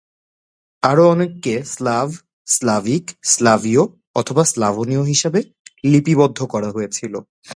আরও অনেককে Slav, Slavic, স্লাভীয় অথবা স্লাভনীয় হিসাবে লিপিবদ্ধ করা হয়েছিল।